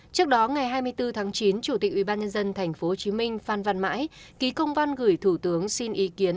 trước đó ngày hai mươi bốn tháng chín chủ tịch ubnd tp hcm phan văn mãi ký công văn gửi thủ tướng xin ý kiến